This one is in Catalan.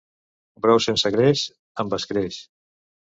Brou sense greix amb escreix.